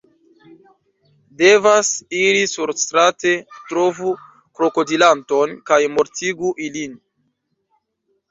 Devas iri surstrate, trovu krokodilanton kaj mortigu ilin